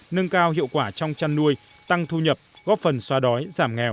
nâng cao hiệu quả trong chăn nuôi tăng thu nhập góp phần xóa đói giảm nghèo